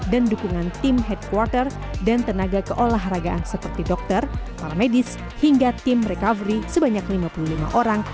dan dukungan tim headquarter dan tenaga keolahragaan seperti dokter para medis hingga tim recovery sebanyak lima puluh lima orang